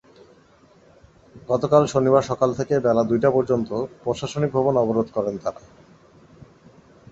গতকাল শনিবার সকাল থেকে বেলা দুইটা পর্যন্ত প্রশাসনিক ভবন অবরোধ করেন তাঁরা।